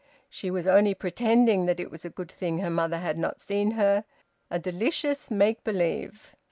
She was only pretending that it was a good thing her mother had not seen her: a delicious make believe.